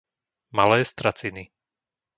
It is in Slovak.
Malé Straciny